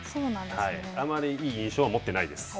あまりいい印象は持ってないです。